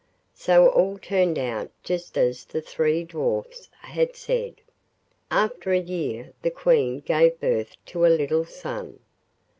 So all turned out just as the three little Dwarfs had said. After a year the Queen gave birth to a little son.